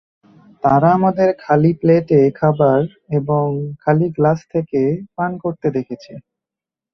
তারা আমাদের খালি প্লেটে খাবার এবং খালি গ্লাস থেকে পান করতে দেখেছে।